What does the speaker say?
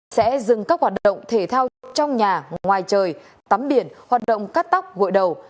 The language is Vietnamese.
sẽ dừng các hoạt động thể thao trong nhà ngoài trời tắm biển hoạt động cắt tóc gội đầu